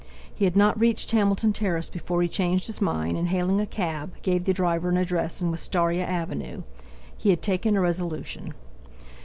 He had not reached Hamilton Terrace before he changed his mind, and hailing a cab, gave the driver an address in Wistaria Avenue. He had taken a resolution.